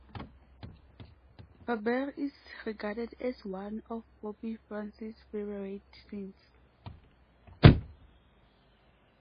Faber is regarded as one of Pope Francis' favorite saints.